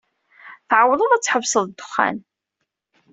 Tɛewwleḍ ad tḥebseḍ ddexxan.